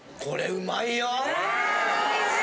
・うまい！